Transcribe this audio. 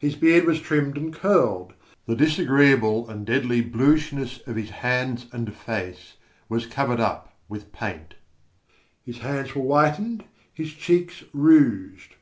His beard was trimmed and curled. The disagreeable and deadly bluishness of his hands and face was covered up with paint; his hands were whitened, his cheeks rouged.